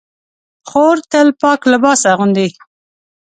خور تل پاک لباس اغوندي.